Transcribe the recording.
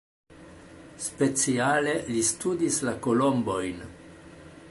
Speciale li studis la kolombojn.